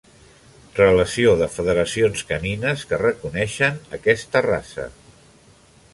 Relació de federacions canines que reconeixen aquesta raça.